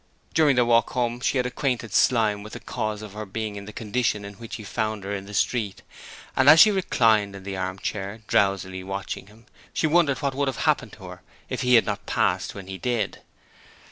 During their walk home she had acquainted Slyme with the cause of her being in the condition in which he found her in the street, and as she reclined in the armchair, drowsily watching him, she wondered what would have happened to her if he had not passed by when he did.